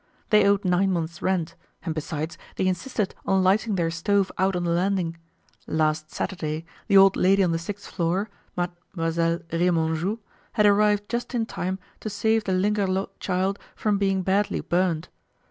They owed nine months' rent, and besides, they insisted on lighting their stove out on the landing. Last Saturday the old lady on the sixth floor, Mademoiselle Remanjou, had arrived just in time to save the Linguerlot child from being badly burned.